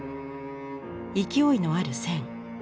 勢いのある線。